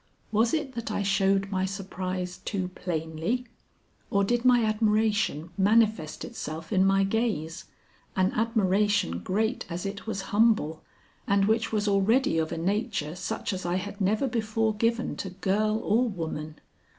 Was it that I showed my surprise too plainly, or did my admiration manifest itself in my gaze? an admiration great as it was humble, and which was already of a nature such as I had never before given to girl or woman.